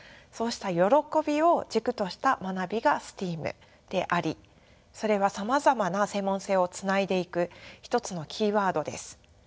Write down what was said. そうした歓びを軸とした学びがＳＴＥＡＭでありそれはさまざまな専門性をつないでいく一つのキーワードです。